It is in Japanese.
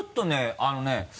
あのね